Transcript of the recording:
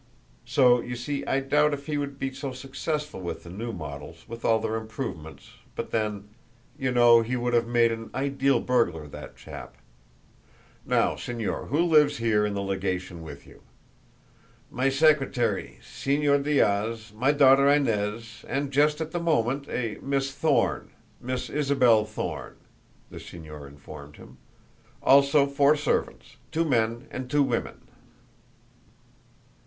So you see. I doubt if he would be so successful with the new models, with all their improvements, but then ! You know he would have made an ideal burglar, that chap. Now, Señor, who lives here in the legation with you?" "My secretary, Señor Diaz, my daughter Inez, and just at the moment, a Miss Thorne Miss Isabel Thorne," the señor informed him. "Also four servants two men and two women."